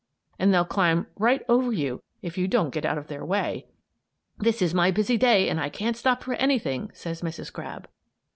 And they'll climb right over you if you don't get out of their way! "This is my busy day and I can't stop for anything," says Mrs. Crab.